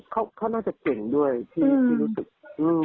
เขาน่าจะเก่งด้วยที่รู้สึก